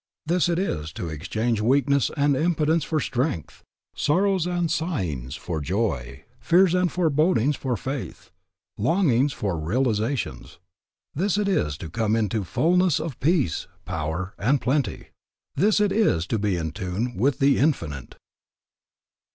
This it is to exchange weakness and impotence for strength; sorrows and sighings for joy; fears and forebodings for faith; longings for realizations. This it is to come into fullness of peace, power, and plenty. This it is to be in tune with the Infinite.